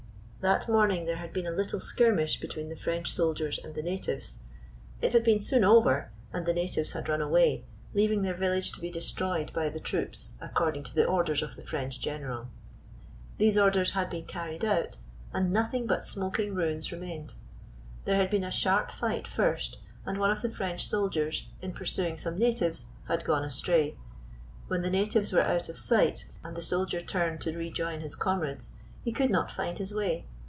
That morning there had been a little skirmish between the French soldiers and the natives. It had been soon over, and the natives had run away, leaving their village to be destroyed by the troops, according to the orders of the French general. These orders had been carried out, and nothing but smoking ruins remained. There had been a sharp fight first, and one of the French soldiers, in pursuing some natives, had gone astray. When the natives were out of sight and the soldier turned to rejoin his com rades he could not find his way.